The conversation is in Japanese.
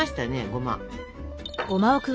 ごま。